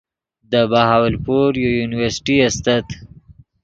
دے بہاولپور یو یونیورسٹی استت